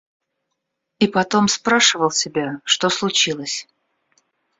И потом спрашивал себя, что случилось?